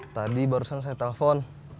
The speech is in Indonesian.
tadi barusan saya telpon